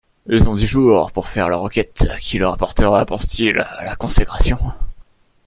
Ils ont dix jours pour faire leur enquête, qui leur apportera, pensent-ils, la consécration.